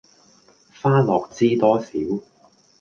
花落知多少